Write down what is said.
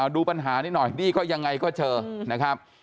ดูปัญหานี้หน่อยนี่ก็ยังไงก็เจอนะครับ